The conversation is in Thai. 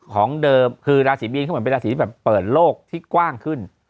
ของเดิมคือราศีมีนเขาเหมือนเป็นราศีที่แบบเปิดโลกที่กว้างขึ้น